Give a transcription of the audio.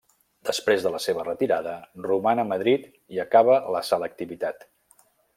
Després de la seva retirada, roman a Madrid i acaba la selectivitat.